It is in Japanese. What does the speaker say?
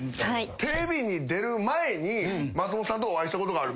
テレビに出る前に松本さんとお会いしたことがあるみたいです。